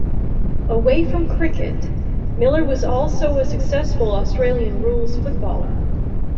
Away from cricket, Miller was also a successful Australian rules footballer.